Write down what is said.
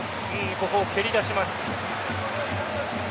ここを蹴り出します。